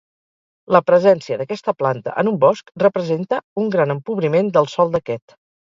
La presència d'aquesta planta en un bosc representa un gran empobriment del sòl d'aquest.